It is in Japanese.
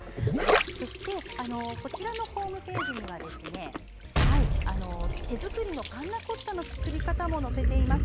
そしてこちらのホームページには手作りのパンナコッタの作り方も載せています。